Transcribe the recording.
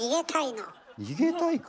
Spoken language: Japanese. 逃げたいの。